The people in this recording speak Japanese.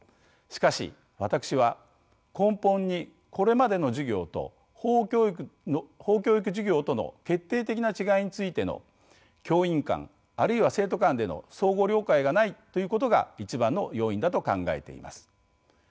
しかし私は根本にこれまでの授業と法教育授業との決定的な違いについての教員間あるいは生徒間での相互了解がないということが一番の要因だと考えています。